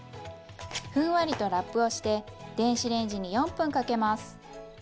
ふんわりとラップをして電子レンジに４分かけます。